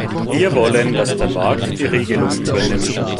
Wir wollen, dass der Markt die Regelung übernimmt.